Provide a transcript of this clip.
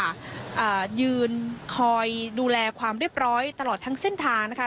อ่ายืนคอยดูแลความเรียบร้อยตลอดทั้งเส้นทางนะคะ